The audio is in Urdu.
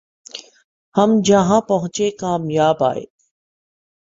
ہم جہاں پہنچے کامیاب آئے